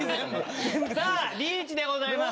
リーチでございます。